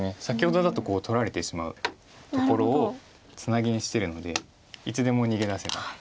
先ほどだと取られてしまうところをツナギにしてるのでいつでも逃げ出せば。